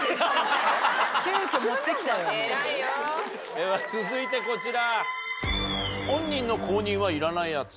では続いてこちら。